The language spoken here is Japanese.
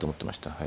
はい。